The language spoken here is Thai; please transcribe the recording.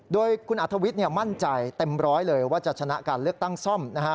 โดยคุณอัธวิทย์มั่นใจเต็มร้อยเลยว่าจะชนะการเลือกตั้งซ่อมนะฮะ